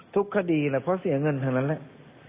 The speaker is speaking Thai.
ทุกคดีแหละเพราะเสียเงินทั้งนั้นแหละ